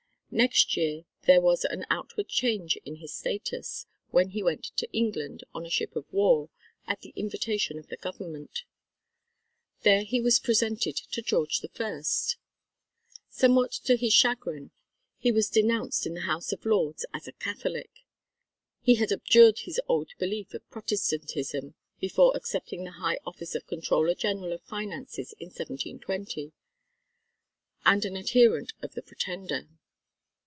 Next year there was an outward change in his status, when he went to England, on a ship of war, at the invitation of the Government. There he was presented to George I. Somewhat to his chagrin he was denounced in the House of Lords as a Catholic (he had abjured his old belief of Protestantism before accepting the high office of Controller General of Finances in 1720) and an adherent of the Pretender.